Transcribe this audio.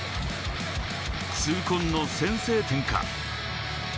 痛恨の先制点か？